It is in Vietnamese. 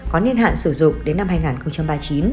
có niên hạn sử dụng đến năm hai nghìn ba mươi chín